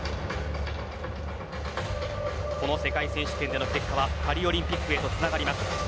この世界選手権での結果はパリオリンピックへとつながります。